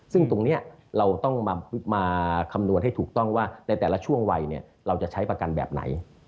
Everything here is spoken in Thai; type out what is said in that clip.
ซึ่งตรงนี้เราต้องมาคำนวณให้ถูกต้องว่าในแต่ละช่วงวัยเราจะใช้ประกันแบบไหน